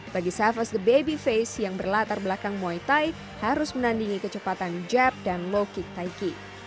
bagi saffis the babyface yang berlatar belakang muay thai harus menandingi kecepatan jab dan low kick taiki